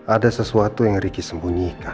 ada sesuatu yang riki sembunyikan